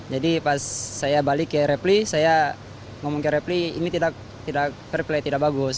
jadi pas saya balik ke repli saya ngomong ke repli ini tidak fair play tidak bagus